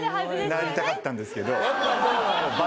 なりたかったんですけど倍取るんで。